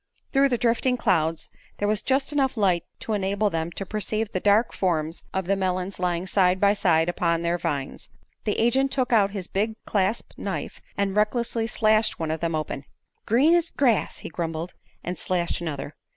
Through the drifting clouds there was just enough light to enable them to perceive the dark forms of the melons lying side by side upon their vines. The agent took out his big clasp knife and recklessly slashed one of them open. "Green's grass!" he grumbled, and slashed another.